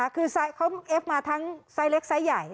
คือเขาเอฟมาทั้งไซส์เล็กไซส์ใหญ่